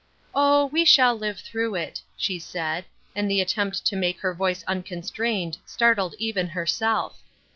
" Oh, we shall live through it," she said, and the attempt to make her voice unconstrained startled even herself.